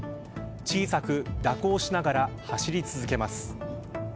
小さく蛇行しながら走り続けます。